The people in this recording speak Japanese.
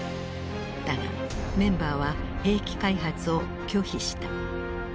だがメンバーは兵器開発を拒否した。